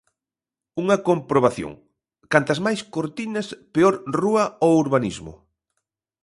Unha comprobación, cantas máis cortinas peor rúa ou urbanismo.